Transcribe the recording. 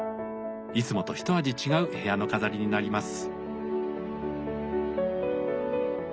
いつもと一味違う部屋の飾りになります。